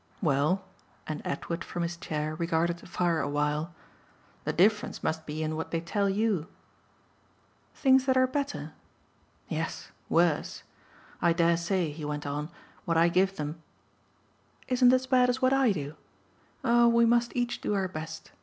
"Well" and Edward from his chair regarded the fire a while "the difference must be in what they tell YOU." "Things that are better?" "Yes worse. I dare say," he went on, "what I give them " "Isn't as bad as what I do? Oh we must each do our best.